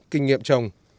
kinh nghiệm trồng